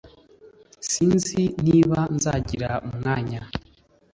Sinzi niba nzagira umwanya